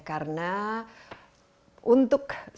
karena untuk keluarga